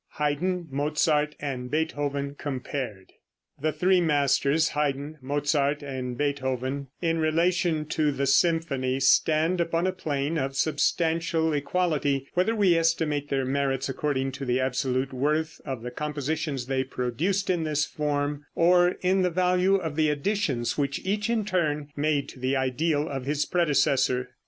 HAYDN, MOZART AND BEETHOVEN COMPARED. The three masters, Haydn, Mozart and Beethoven, in relation to the symphony stand upon a plane of substantial equality, whether we estimate their merits according to the absolute worth of the compositions they produced in this form, or in the value of the additions which each in turn made to the ideal of his predecessor.